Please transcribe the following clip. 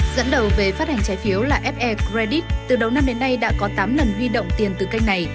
dẫn đầu về phát hành trái phiếu là fe credit từ đầu năm đến nay đã có tám lần huy động tiền từ kênh này